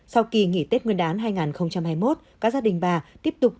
sau kỳ nghỉ tết nguyên đán hai nghìn hai mươi một các gia đình bà tiếp tục